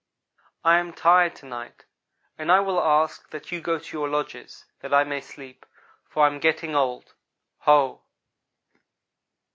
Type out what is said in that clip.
"I am tired to night, and I will ask that you go to your lodges, that I may sleep, for I am getting old. Ho!"